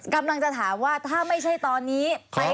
กำลังจะถามว่าถ้าไม่ใช่ตอนนี้